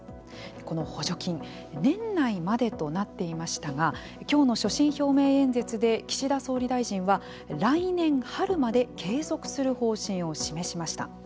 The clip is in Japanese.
この補助金年内までとなっていましたが今日の所信表明演説で岸田総理大臣は来年春まで継続する方針を示しました。